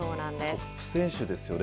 トップ選手ですよね。